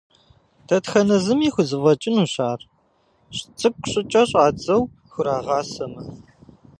Дэтхэнэ зыми хузэфӏэкӏынущ ар, цӏыкӏу щӏыкӏэ щӏадзэу хурагъэсамэ.